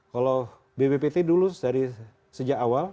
kalau bbbt dulu sejak awal